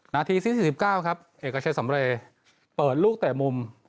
นาทีสิ้น๔๙ครับเอกเกอร์เชนสำเรเปิดลูกแต่มุม